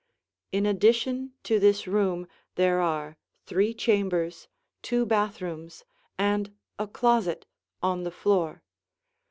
In addition to this room there are three chambers, two bathrooms, and a closet on the floor.